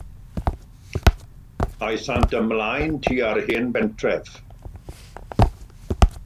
Aethant ymlaen tua'r hen bentref.